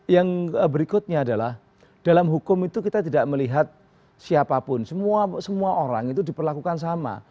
yang berikutnya adalah dalam hukum itu kita tidak melihat siapapun semua orang itu diperlakukan sama